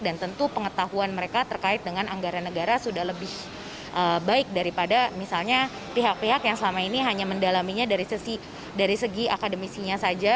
dan tentu pengetahuan mereka terkait dengan anggaran negara sudah lebih baik daripada misalnya pihak pihak yang selama ini hanya mendalaminya dari segi akademisinya saja